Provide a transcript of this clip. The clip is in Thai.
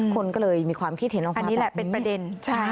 คนก็เลยมีความคิดเห็นว่าอันนี้แหละเป็นประเด็น